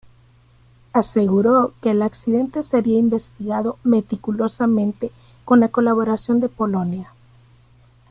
Aseguró que el accidente sería investigado meticulosamente con la colaboración de Polonia.